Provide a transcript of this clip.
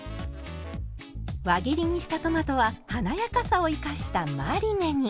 輪切りにしたトマトは華やかさを生かしたマリネに。